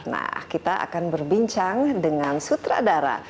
kami akan berbincang dengan sutradara